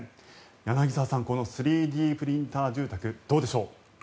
柳澤さん、３Ｄプリンター住宅どうでしょう。